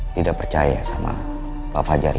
tidak percaya sama pak fajar